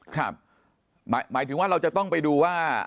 หมายถึงว่าเราจะต้องไปดูว่า